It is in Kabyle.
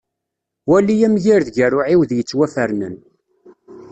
Wali amgired gar uɛiwed yettwafernen.